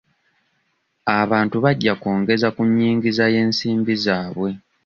Abantu bajja kwongeza ku nnyingiza y'ensimbi zaabwe.